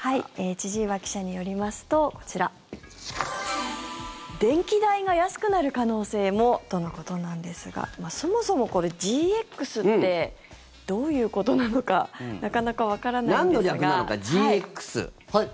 千々岩記者によりますとこちら電気代が安くなる可能性も？とのことなんですがそもそもこれ、ＧＸってどういうことなのかなんの略なのか、ＧＸ。